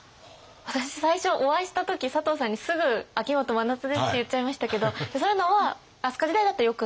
私最初お会いした時佐藤さんにすぐ「秋元真夏です」って言っちゃいましたけどそういうのは飛鳥時代だとよくない。